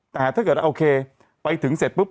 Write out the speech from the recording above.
แต่ถ้าเกิดหรืออกยังไงไปถึงเสร็จปุ๊บ